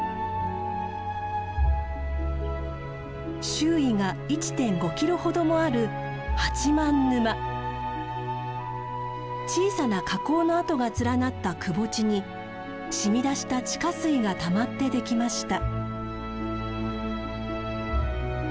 周囲が１．５キロほどもある小さな火口の跡が連なったくぼ地にしみ出した地下水がたまってできました。